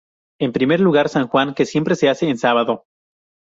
En primer lugar, San Juan, que siempre se hace en sábado.